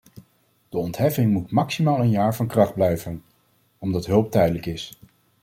De ontheffing moet maximaal een jaar van kracht blijven, omdat hulp tijdelijk is.